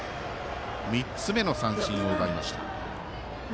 ３つ目の三振を奪いました。